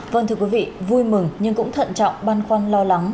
vâng thưa quý vị vui mừng nhưng cũng thận trọng băn khoăn lo lắng